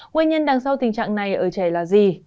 nguyên nhân đằng sau tình trạng này ở trẻ là gì